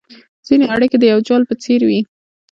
ځیني اړیکي د یو جال په څېر وي